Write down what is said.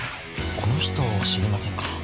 この人知りませんか？